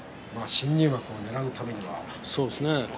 新入幕をねらうためには。